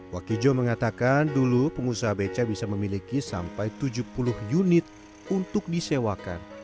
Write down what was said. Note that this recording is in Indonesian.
wakijo mengatakan dulu pengusaha beca bisa memiliki sampai tujuh puluh unit untuk disewakan